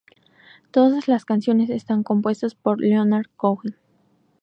Todas las canciones están compuestas por Leonard Cohen.